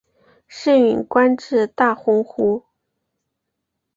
盛允官至大鸿胪。